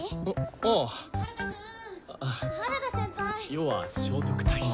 余は聖徳太子。